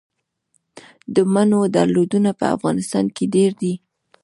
د مڼو ډولونه په افغانستان کې ډیر دي.